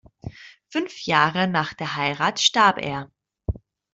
Fünf Jahre nach der Heirat starb er.